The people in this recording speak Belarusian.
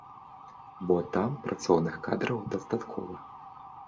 Бо там працоўных кадраў дастаткова.